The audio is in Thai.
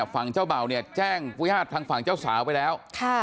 ฝั่งเจ้าเบาเนี่ยแจ้งผู้ญาติทางฝั่งเจ้าสาวไปแล้ว